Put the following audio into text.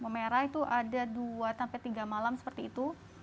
merah itu ada dua sampai tiga malam seperti itu